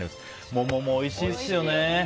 桃もおいしいですよね。